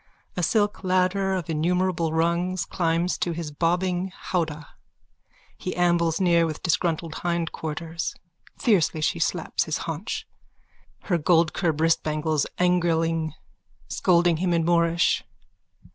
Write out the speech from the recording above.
A silk ladder of innumerable rungs climbs to his bobbing howdah. He ambles near with disgruntled hindquarters. Fiercely she slaps his haunch, her goldcurb wristbangles angriling, scolding him in Moorish.)